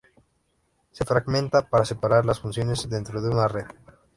Se fragmenta para separar las funciones dentro de una red.